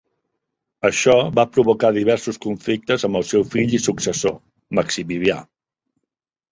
Això va provocar diversos conflictes amb el seu fill i successor, Maximilià.